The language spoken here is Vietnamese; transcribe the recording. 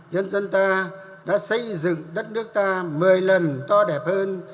nhân dân ta đã xây dựng đất nước ta một mươi lần to đẹp hơn